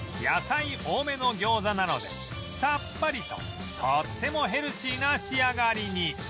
野菜多めの餃子なのでさっぱりととってもヘルシーな仕上がりに